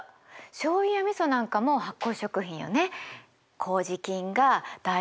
しょうゆやみそなんかも発酵食品よね。